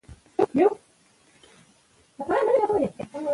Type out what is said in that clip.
تالابونه د افغان ماشومانو د لوبو یوه موضوع ده.